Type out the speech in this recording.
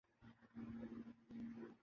خوبصورت دھرتی ہے۔